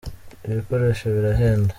ibikoresho birahenda.